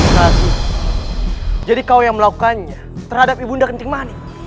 rasul jadi kau yang melakukannya terhadap ibu ndak ntingmani